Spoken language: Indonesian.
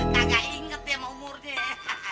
kagak inget ya sama umurnya